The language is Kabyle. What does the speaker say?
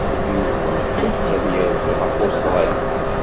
Yuba yeɣs ad yerzu ɣef Ustṛalya.